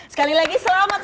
sekali lagi selamat nono